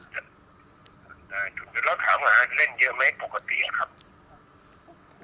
คุณพ่อได้จดหมายมาที่บ้าน